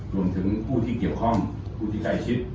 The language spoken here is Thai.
รวมถึงผู้ที่เกี่ยวข้องผู้ที่ใกล้ชิด